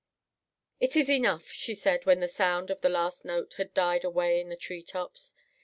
"It is enough," she said when the sound of the last note had died away in the tree tops.